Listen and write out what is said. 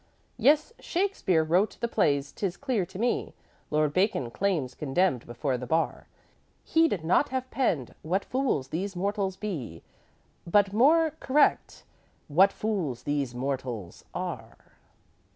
Yes! Shakespeare wrote the plays 'tis clear to me. Lord Bacon's claim's condemned before the bar. He'd not have penned, "what fools these mortals be!" But more correct "what fools these mortals are!"